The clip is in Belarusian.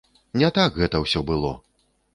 Не так гэта ўсё было.